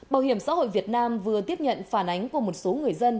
bảo hiểm xã hội việt nam vừa tiếp nhận phản ánh của một số người dân